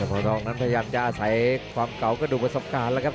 ทองนั้นพยายามจะอาศัยความเก่ากระดูกประสบการณ์แล้วครับ